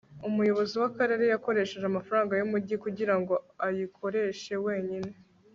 umuyobozi w'akarere yakoresheje amafaranga y'umujyi kugirango ayikoreshe wenyine